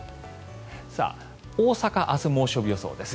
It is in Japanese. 大阪、明日は猛暑日予想です。